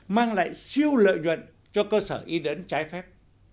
mang lại siêu lợi nhuận cho cơ sở y đấn trái phép